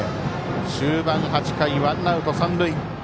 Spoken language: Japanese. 終盤８回、ワンアウト、三塁。